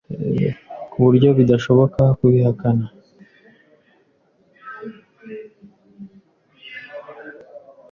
ku buryo bidashoboka kubihakana.